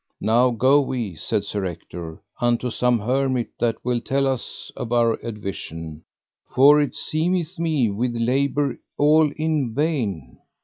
Now go we, said Sir Ector, unto some hermit that will tell us of our advision, for it seemeth me we labour all in vain.